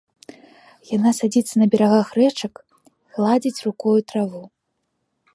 Яна садзіцца на берагах рэчак, гладзіць рукою траву.